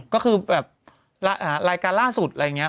ก็คือแบบรายการล่าสุดอะไรอย่างนี้